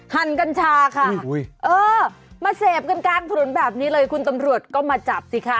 กัญชาค่ะเออมาเสพกันกลางถนนแบบนี้เลยคุณตำรวจก็มาจับสิคะ